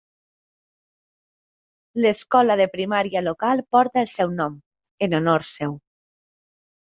L'escola de primària local porta el seu nom, en honor seu.